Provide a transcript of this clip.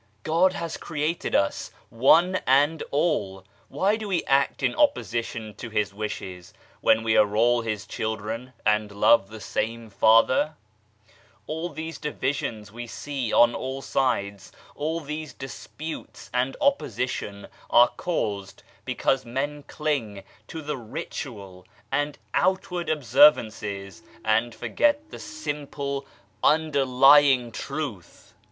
God has created us, one and all why do we act in opposition to His wishes, when we are all His children, and love the same Father ? All these divisions we see on all sides, all these disputes and opposition, are caused because men cling to ritual and outward observances, and forget the simple underlying Truth.